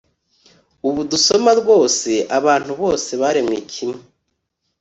Ubu dusoma rwose abantu bose baremwe kimwe